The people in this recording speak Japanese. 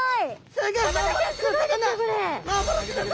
すギョい！